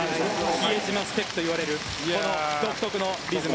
比江島ステップといわれるこの独特のリズム。